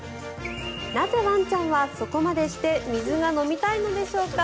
なぜ、ワンちゃんはそこまでして水が飲みたいのでしょうか。